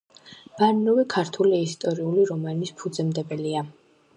ბარნოვი ქართული ისტორიული რომანის ფუძემდებელია.